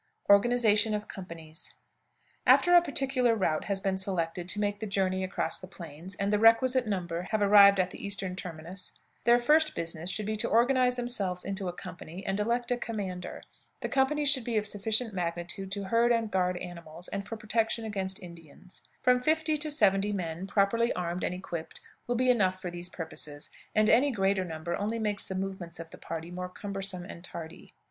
ORGANIZATION OF COMPANIES. After a particular route has been selected to make the journey across the plains, and the requisite number have arrived at the eastern terminus, their first business should be to organize themselves into a company and elect a commander. The company should be of sufficient magnitude to herd and guard animals, and for protection against Indians. From 50 to 70 men, properly armed and equipped, will be enough for these purposes, and any greater number only makes the movements of the party more cumbersome and tardy.